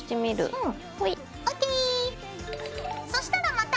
うん。